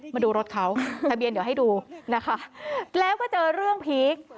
มาดูรถเขาทะเบียนเดี๋ยวให้ดูนะคะแล้วก็เจอเรื่องพีค